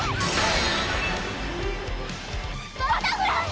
バタフライ！